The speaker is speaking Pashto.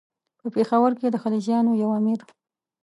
په پېښور کې د خلجیانو یو امیر.